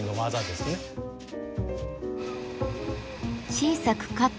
小さくカットした